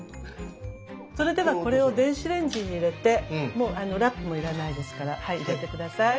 それではこれを電子レンジに入れてもうラップも要らないですからはい入れて下さい。